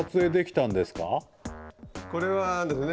これはですね